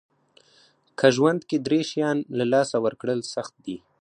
که ژوند کې درې شیان له لاسه ورکړل سخت دي.